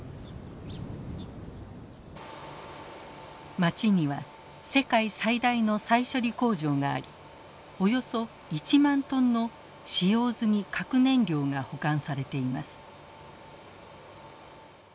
街には世界最大の再処理工場がありおよそ１万トンの使用済み核燃料が保管されています。